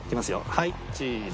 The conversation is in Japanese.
はいチーズ。